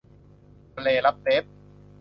ทะเลลัปเตฟ